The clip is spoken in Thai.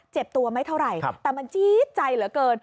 เจ็บตัวไม่เท่าไหร่แต่มันจี๊ดใจเหลือเกิน